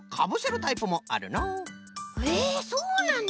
へえそうなんだ。